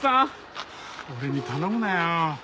俺に頼むなよ。